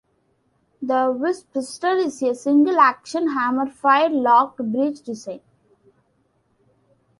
The Vis pistol is a single-action, hammer-fired, locked-breech design.